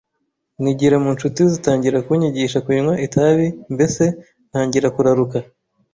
nigira mu nshuti zitangira kunyigisha kunywa itabi mbese ntangira kuraruka,